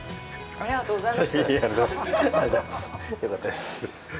ありがとうございます。